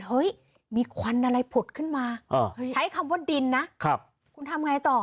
เฮ้ยมีควันอะไรผุดขึ้นมาใช้คำว่าดินนะคุณทำไงต่อ